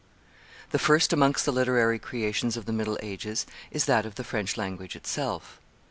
The first amongst the literary creations of the middle ages is that of the French language itself.